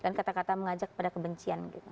dan kata kata mengajak kepada kebencian gitu